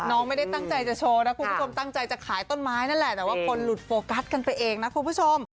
ไม่ได้ตั้งใจจะโชว์นะคุณผู้ชมตั้งใจจะขายต้นไม้นั่นแหละแต่ว่าคนหลุดโฟกัสกันไปเองนะคุณผู้ชม